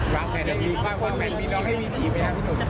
วางแผ่นไว้ดีกว่าวางแผ่นมีน้องให้วีจิไหมครับ